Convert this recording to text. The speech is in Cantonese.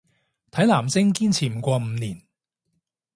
睇男星堅持唔過五年